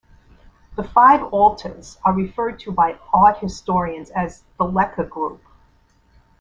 The five altars are referred to by art historians as the "Leka group".